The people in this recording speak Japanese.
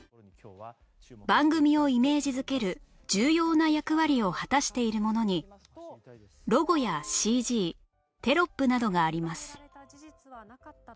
番組をイメージ付ける重要な役割を果たしているものにロゴや ＣＧ テロップなどがあります